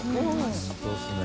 本当ですね。